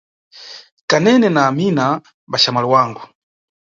Kanene na Amina mbaxamwali wangu.